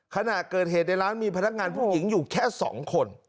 ขณะเกิดเหตุในร้านมีพนักงานผู้หญิงอยู่แค่๒คน